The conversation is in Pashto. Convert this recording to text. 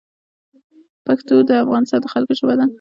پښتو د افغانستان د خلګو ژبه ده